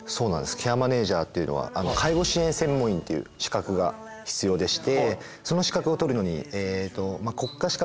ケアマネージャーっていうのは介護支援専門員っていう資格が必要でして。